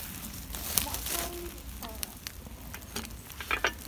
Moto uli in kora.